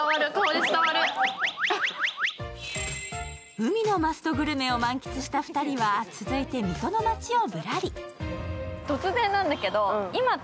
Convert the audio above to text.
海のマストグルメを満喫した２人は、続いて水戸の街をぶらり。